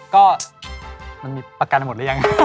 ก็มันมีประกันหมดหรือยัง